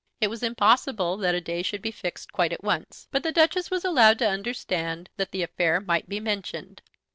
It was impossible that a day should be fixed quite at once; but the Duchess was allowed to understand that the affair might be mentioned.